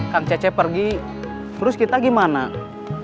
kan cece pergi terus kita gimana enggak tahu